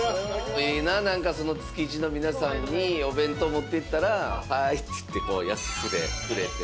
いいな築地の皆さんにお弁当持っていったらはいって言ってこう安くでくれて。